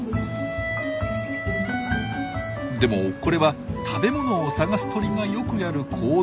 でもこれは食べ物を探す鳥がよくやる行動。